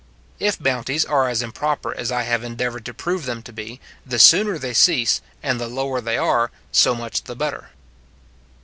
If bounties are as improper as I have endeavoured to prove them to be, the sooner they cease, and the lower they are, so much the better.